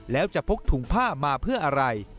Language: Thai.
แล้วจะพกถุงผ้ามาเพื่ออะไร